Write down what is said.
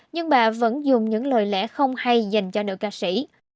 nhưng bà vẫn dùng những lời lẽ không hay dành cho nữ ca sĩ